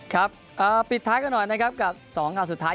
ครับปิดถ่ายกันหน่อยกันสองครั้งสุดท้าย